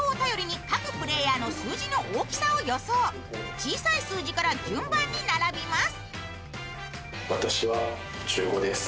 小さい数字から順番に並びます。